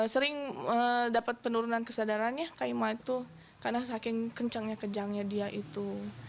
sering dapat penurunan kesadarannya kaima itu karena saking kencangnya kejangnya dia itu